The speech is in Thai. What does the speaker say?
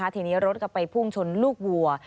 ทีนี้รถก็ไปพุ่งชนลูกวัว